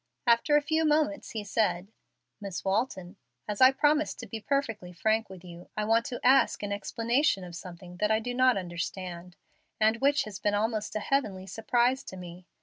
After a few moments he said, "Miss Walton, as I promised to be perfectly frank with you, I want to ask an explanation of something that I do not understand, and which has been almost a heavenly surprise to me.